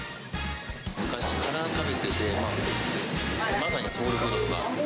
昔から食べてて、まさにソウルフード。